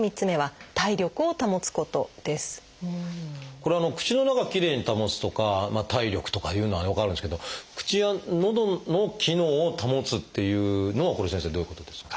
これ「口の中きれいに保つ」とか「体力」とかいうのは分かるんですけど「口やのどの機能を保つ」っていうのはこれ先生どういうことですか？